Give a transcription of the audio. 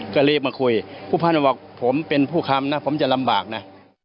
ก็รีบมาคุยผู้พันธ์บอกผมเป็นผู้คำนะผมจะลำบากนะ